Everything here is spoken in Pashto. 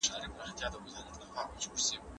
زه به سبا د لغتونو تمرين وکړم.